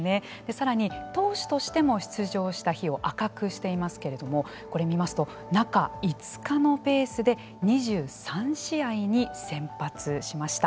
さらに、投手としても出場した日を赤くしていますけれどもこれ見ますと中５日のペースで２３試合に先発しました。